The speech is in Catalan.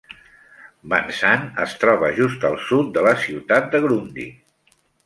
Vansant es troba just al sud de la ciutat de Grundy.